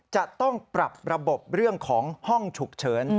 จะต้องปรับระบบเรื่องของห้องฉุกเฉิน